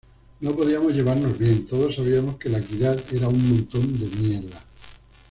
No podíamos llevarnos bien, todos sabíamos que la equidad era un montón de mierda.